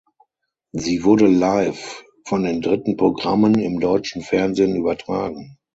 Sie wurde live von den dritten Programmen im deutschen Fernsehen übertragen.